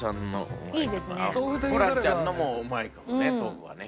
ホランちゃんのもうまいと思うね豆腐はね。